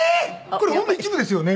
これほんの一部ですよね？